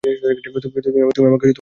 তুমি আমাকে বিশ্বাস করো?